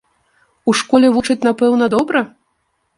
У школе вучаць, напэўна, добра?